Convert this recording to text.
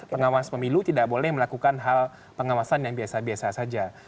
pengawas pemilu tidak boleh melakukan hal pengawasan yang biasa biasa saja